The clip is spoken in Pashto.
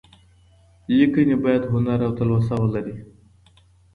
ليکنې بايد هنر او تلوسه ولري.